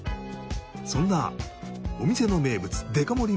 そんなお店の名物デカ盛り